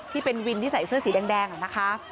ที่เป็นวินที่ใส่เสื้อสีแดงนะคะ